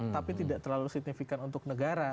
tapi tidak terlalu signifikan untuk negara